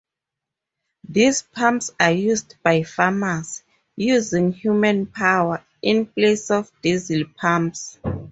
These pumps are used by farmers, using human power, in place of diesel pumps.